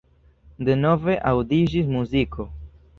Denove aŭdiĝis muziko.